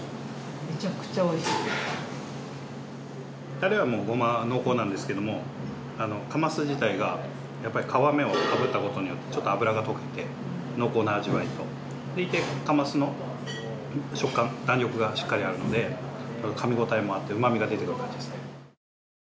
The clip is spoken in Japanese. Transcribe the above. たれはもうごま濃厚なんですけどもカマス自体がやっぱり皮目を炙ったことによってちょっと脂が溶けて濃厚な味わいとでいてカマスの食感弾力がしっかりあるので噛み応えもあって旨みが出てくる感じですね。